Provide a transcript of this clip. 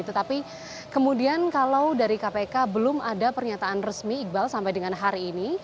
tetapi kemudian kalau dari kpk belum ada pernyataan resmi iqbal sampai dengan hari ini